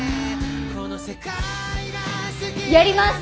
やります！